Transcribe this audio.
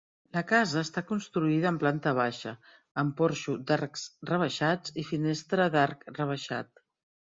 La casa està construïda amb planta baixa, amb porxo d'arcs rebaixats, i finestra d'arc rebaixat.